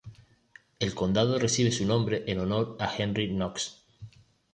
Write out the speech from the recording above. El condado recibe su nombre en honor a Henry Knox.